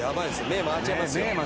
目回っちゃいますよ。